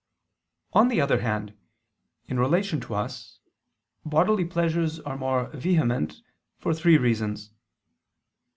On the other hand, in relation to us, bodily pleasures are more vehement, for three reasons.